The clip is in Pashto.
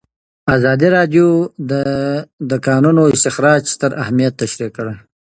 ازادي راډیو د د کانونو استخراج ستر اهميت تشریح کړی.